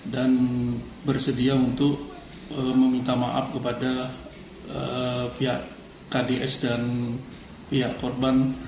dan bersedia untuk meminta maaf kepada pihak kds dan pihak korban